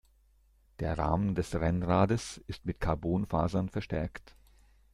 Der Rahmen des Rennrades ist mit Carbonfasern verstärkt.